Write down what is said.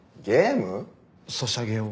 ソシャゲを。